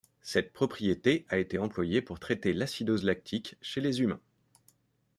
Cette propriété a été employée pour traiter l’acidose lactique chez les humains.